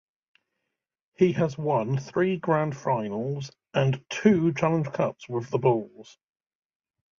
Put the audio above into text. He has won three Grand Finals and two Challenge Cups with the Bulls.